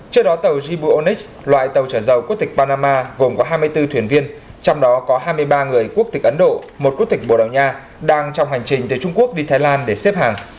trước đó tàu gbonix loại tàu trở dầu quốc tịch panama gồm có hai mươi bốn thuyền viên trong đó có hai mươi ba người quốc tịch ấn độ một quốc tịch bồ đào nha đang trong hành trình từ trung quốc đi thái lan để xếp hàng